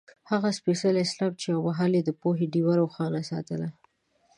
هغه سپېڅلی اسلام چې یو مهال یې د پوهې ډېوه روښانه ساتله.